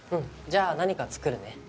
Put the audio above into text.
じゃあ何か作るね。